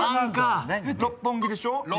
六本木でしょ。